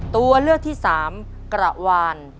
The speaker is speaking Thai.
ตัวเลือกที่สามกระวาน